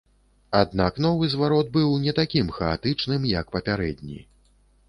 Аднак новы зварот быў не такім хаатычным, як папярэдні.